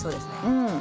うん。